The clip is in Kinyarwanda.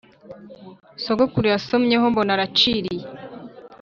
Sogokuru yasomyeho mbona araciriye